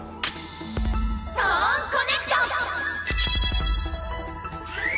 トーンコネクト！